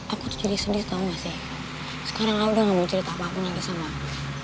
aku tuh jadi sedih tau gak sih sekarang aku udah gak mau cerita apapun lagi sama kamu